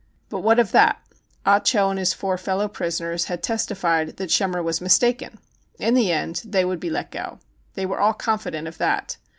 But what of that ? Ah Cho and his four fellow prisoners had testified that Schemmer was mistaken. In the end they would be let go. They were all confident of that.